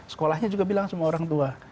sekolahnya juga bilang semua orang tua